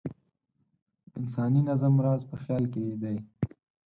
د انساني نظم راز په خیال کې دی.